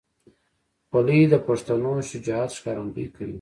خولۍ د پښتنو شجاعت ښکارندویي کوي.